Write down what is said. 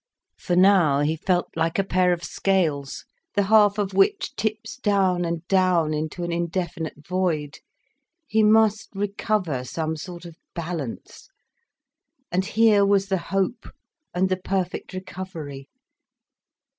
For now he felt like a pair of scales, the half of which tips down and down into an indefinite void. He must recover some sort of balance. And here was the hope and the perfect recovery.